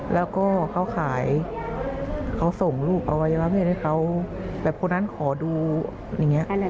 แล้วก็เขาขายเขาส่งลูกอวัยวะเพศให้เขาแบบคนนั้นขอดูอย่างนี้